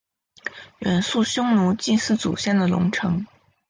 元朔匈奴祭祀祖先的龙城。